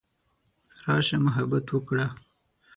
راشه محبت وکړه.